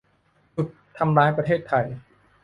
หยุด ทำร้ายประเทศไทย